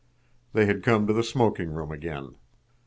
They had come to the smoking room again.